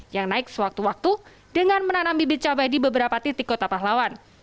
yang naik sewaktu waktu dengan menanam bibit cabai di beberapa titik kota pahlawan